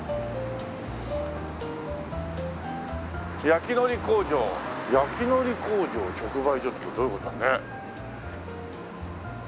「焼のり工場」「焼のり工場直売所」ってどういう事だろうね？